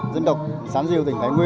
đồng bào dân tộc việt nam